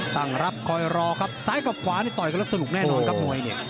ตั้งรับคอยรอครับซ้ายกับขวานี่ต่อยกันแล้วสนุกแน่นอนครับมวยเนี่ย